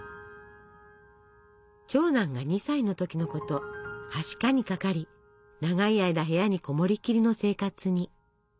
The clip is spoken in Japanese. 長男が２歳の時のことはしかにかかり長い間部屋に籠もりきりの生活に。